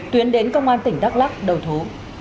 tuyến đến công an tỉnh đắk lắc đầu thú